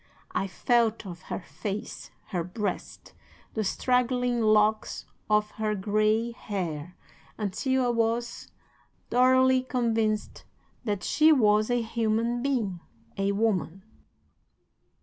I felt of her face, her breast, the straggling locks of her gray hair until I was thoroughly convinced that she was a human being a woman.